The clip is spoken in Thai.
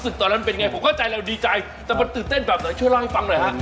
๒๐ฝาตอนส่งลงคิดในใจนะแม่ว่าต้องได้แน่